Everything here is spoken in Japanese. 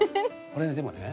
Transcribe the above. これねでもね